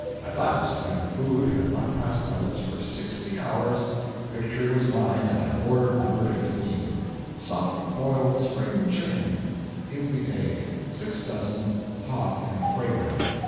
At last when food had not passed my lips for sixty hours, victory was mine, and I ordered No. 15: 'Soft boiled spring chicken in the egg; six dozen, hot and fragrant!'